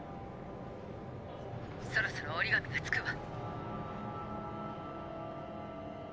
「そろそろ折紙が着くわ」。